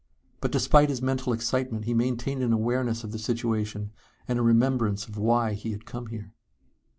But despite his mental excitement he maintained an awareness of the situation and a remembrance of why he had come here.